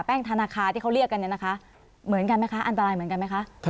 ธนาคารที่เขาเรียกกันเนี่ยนะคะเหมือนกันไหมคะอันตรายเหมือนกันไหมคะ